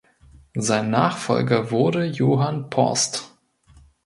Sein Nachfolger wurde Johann Porst.